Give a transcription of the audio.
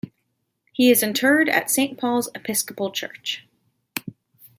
He is interred at Saint Paul's Episcopal Church.